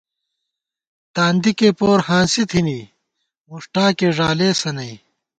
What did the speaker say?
تاندِکے پور ہانسی تھنی، مݭٹاکے ݫالېسہ نئ